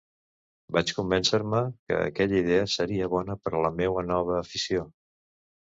Vaig convéncer-me que aquella idea seria bona per a la meua nova afició.